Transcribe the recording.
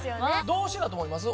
どうしてだと思います？